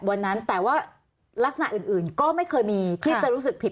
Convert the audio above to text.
วันนั้นแต่ว่าลักษณะอื่นก็ไม่เคยมีที่จะรู้สึกผิด